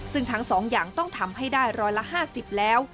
ซึ่งทั้ง๒อย่างต้องทำให้ได้ร้อยละ๕๐แล้ว